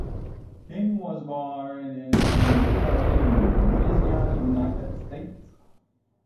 King was born in New Orleans, Louisiana, United States.